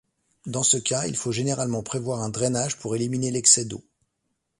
Dans ce cas, il faut généralement prévoir un drainage pour éliminer l'excès d'eau.